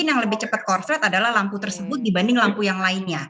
yang lebih cepat korslet adalah lampu tersebut dibanding lampu yang lainnya